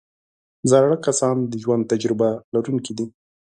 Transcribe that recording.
زاړه کسان د ژوند تجربه لرونکي دي